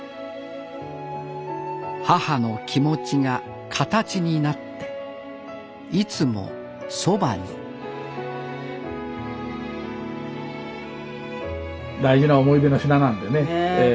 母の気持ちが形になっていつもそばに大事な思い出の品なんでね。